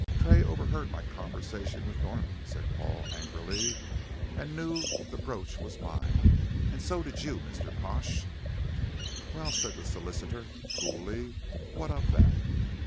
"Tray overheard my conversation with Norman," said Paul, angrily, "and knew the brooch was mine so did you, Mr. Pash." "Well," said the solicitor, coolly, "what of that?